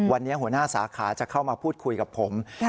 วันนี้หัวหน้าสาขาจะเข้ามาพูดคุยกับผม